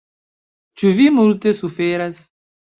Ĉu vi multe suferas?